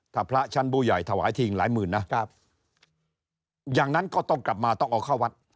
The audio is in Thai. ถ้าพระชั้นผู้ใหญ่ถวายทิ้งหลายหมื่นนะครับอย่างนั้นก็ต้องกลับมาต้องเอาเข้าวัด